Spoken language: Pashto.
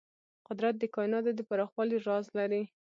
قدرت د کایناتو د پراخوالي راز لري.